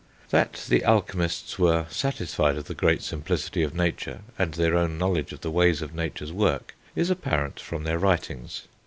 That the alchemists were satisfied of the great simplicity of nature, and their own knowledge of the ways of nature's work, is apparent from their writings.